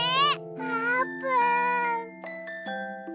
あーぷん。